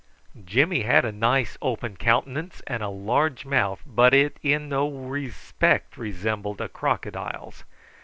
Jimmy had a nice open countenance and a large mouth; but it in no respect resembled a crocodile's.